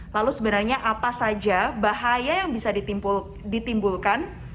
lalu sebenarnya apa saja bahaya yang bisa ditimbulkan